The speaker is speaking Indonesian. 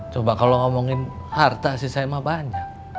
coba kalau ngomongin harta si saima banyak